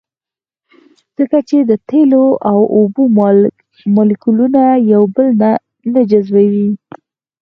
ځکه چې د تیلو او اوبو مالیکولونه یو بل نه جذبوي